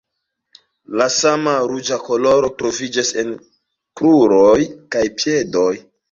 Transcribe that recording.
La sama ruĝa koloro troviĝas en kruroj kaj piedoj.